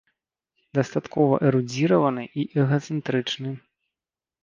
Дастаткова эрудзіраваны і эгацэнтрычны.